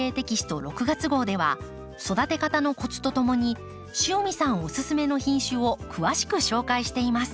月号では育て方のコツとともに塩見さんお勧めの品種を詳しく紹介しています。